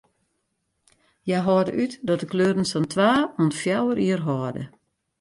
Hja hâlde út dat de kleuren sa'n twa oant fjouwer jier hâlde.